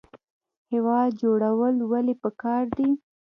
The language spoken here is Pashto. هیواد جوړول ولې پکار دي؟